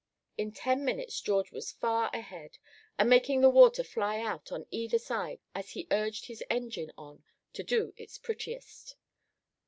In ten minutes George was far ahead, and making the water fly out on either side as he urged his engine on to do its prettiest.